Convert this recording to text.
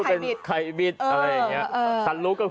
แถมมีสรุปอีกต่างหาก